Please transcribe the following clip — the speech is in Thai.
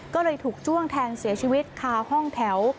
ก็เลยถูกจ้วงแทงเสียชีวิตคาห้องแถว